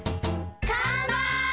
かんぱい！